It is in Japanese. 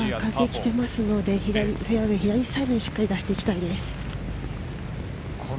風が来ていますので、フェア、左サイドにしっかり出していきたいです。